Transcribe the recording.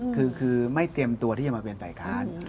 คือไม่เตรียมตัวที่จะมาเป็นฝ่ายค้าน